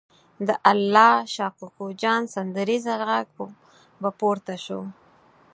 د الله شا کوکو جان سندریزه غږ به پورته شو.